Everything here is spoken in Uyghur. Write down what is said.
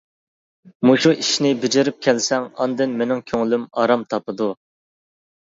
مۇشۇ ئىشنى بېجىرىپ كەلسەڭ، ئاندىن مېنىڭ كۆڭلۈم ئارام تاپىدۇ.